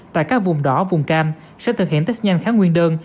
tại các vùng đỏ vùng cam sẽ thực hiện test nhanh khá nguyên đơn